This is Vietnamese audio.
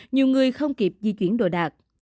nhiều người không kịp di chuyển đồ đạc